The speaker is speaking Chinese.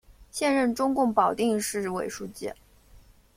现任中共保定市委书记。